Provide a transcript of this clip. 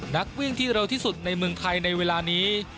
นักวิ่งที่เร็วที่สุดในเมืองไทยในเวลานี้